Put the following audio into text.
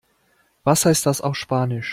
Was heißt das auf Spanisch?